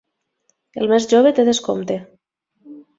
El més jove té descompte.